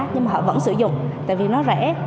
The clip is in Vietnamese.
nhưng mà họ vẫn sử dụng tại vì nó rẻ